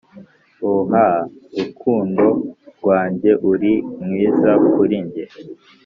ooh rukundo rwanjye uri mwiza kuri njye